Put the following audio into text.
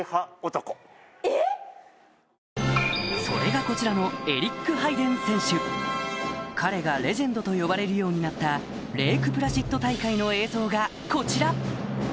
それがこちらの彼がレジェンドと呼ばれるようになったレークプラシッド大会の映像がこちら